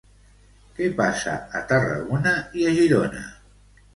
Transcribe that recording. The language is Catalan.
Què passa a Tarragona i a Girona?